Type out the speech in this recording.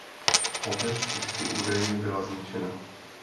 Obec kdysi údajně byla zničena.